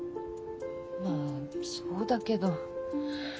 まぁそうだけど。